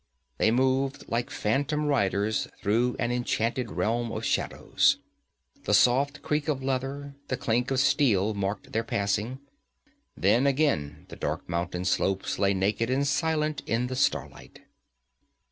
They moved like phantom riders through an enchanted realm of shadows. The soft creak of leather, the clink of steel marked their passing, then again the dark mountain slopes lay naked and silent in the starlight.